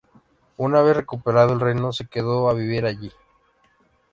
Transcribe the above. Una vez recuperado el reino se quedó a vivir allí.